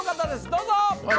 どうぞ誰？